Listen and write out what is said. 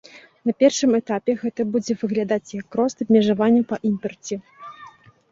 На першым этапе гэта будзе выглядаць як рост абмежаванняў па імпарце.